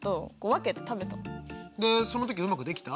でその時うまくできた？